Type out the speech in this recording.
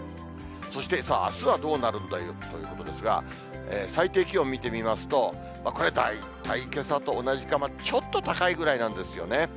そしてさあ、あすはどうなるんだということですが、最低気温見てみますと、これ、大体けさと同じか、ちょっと高いぐらいなんですよね。